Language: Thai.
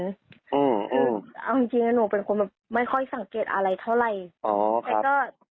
เอาจริงนะหนูเป็นคนแบบไม่ค่อยสังเกตอะไรเท่าไหร่